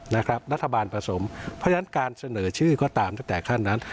รัฐบาลผสมเพราะฉะนั้นการเสนอชื่อก็ตามตั้งแต่ขั้นนั้น